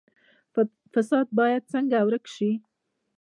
فساد باید څنګه ورک شي؟